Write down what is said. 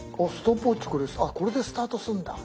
あっこれでスタートするんだ。